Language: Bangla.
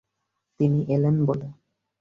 তিনি এলেন বলে।